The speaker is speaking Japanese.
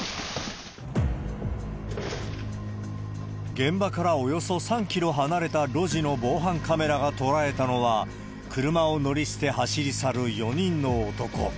現場からおよそ３キロ離れた路地の防犯カメラが捉えたのは、車を乗り捨て走り去る４人の男。